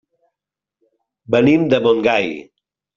Venim de Montgai.